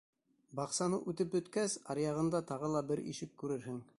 Баҡсаны үтеп бөткәс, аръяғында тағы ла бер ишек күрерһең.